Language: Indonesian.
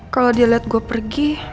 kalau dia liat gue pergi